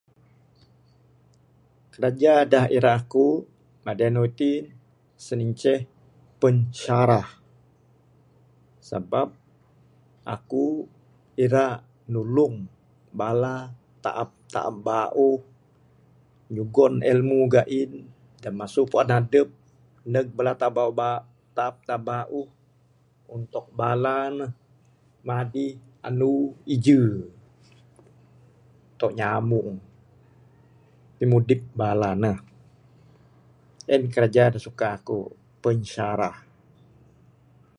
Kraja da irak kuk madi andu ti, sien ceh pensyarah. Sebab akuk ira nulung bala taap taap bauh, nyugon ilmu gain', da masu puan' adup ndug bala taap, taap taap bauh bauh untuk bala ne madi andu iju', tok nyambung pimudip bala ne. En kiraja da suka kuk, pensyarah.